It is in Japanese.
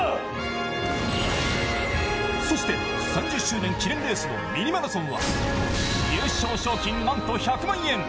そして３０周年記念レースの「ミニマラソン」は、優勝賞金なんと１００万円。